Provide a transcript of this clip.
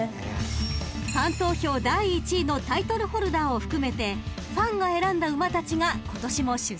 ［ファン投票第１位のタイトルホルダーを含めてファンが選んだ馬たちが今年も出走します］